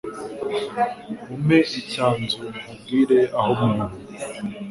Umpe icyanzu nkubwire ah'umuntu